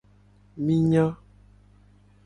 Mi nya.